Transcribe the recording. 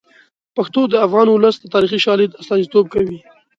پښتو د افغان ولس د تاریخي شالید استازیتوب کوي.